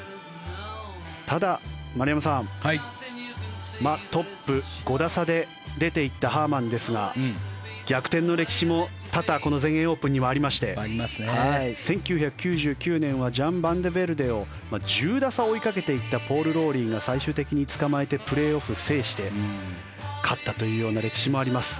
ただ、丸山さんトップ、５打差で出ていったハーマンですが逆転の歴史も多々この全英オープンにはありまして１９９９年はジャン・バンデベルデを１０打差追いかけていったポール・ローリーが最終的につかまえてプレーオフを制して勝ったというような歴史もあります。